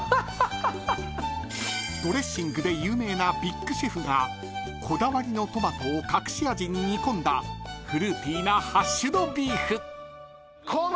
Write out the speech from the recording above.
［ドレッシングで有名なビッグシェフがこだわりのトマトを隠し味に煮込んだフルーティーなハッシュドビーフ］